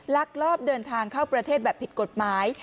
ลักลอบเดินทางเข้าประเทศแบบผิดกฎหมาย